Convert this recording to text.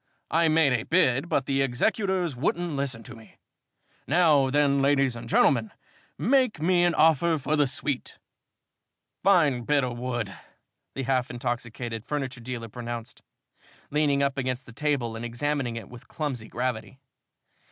I made a bid but the executors wouldn't listen to me. Now then, ladies and gentlemen, make me an offer for the suite." "Fine bit o' wood," the half intoxicated furniture dealer pronounced, leaning up against the table and examining it with clumsy gravity.